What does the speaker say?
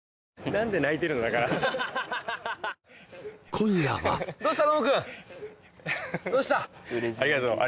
今夜はどうした？